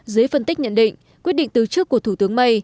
dưới phân tích nhận định quyết định từ chức của thủ tướng may